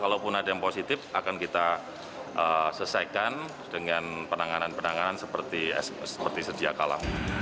kalaupun ada yang positif akan kita selesaikan dengan penanganan penanganan seperti sedia kalah